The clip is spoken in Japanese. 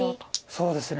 そうですね。